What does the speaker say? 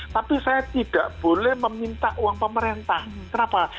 tapi saya tidak boleh meminta uang pemerintah kenapa